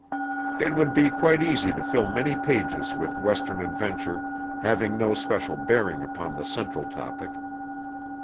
It would be quite easy to fill many pages with western adventure having no special bearing upon the central topic.